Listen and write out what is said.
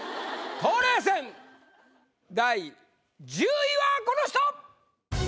冬麗戦第１０位はこの人！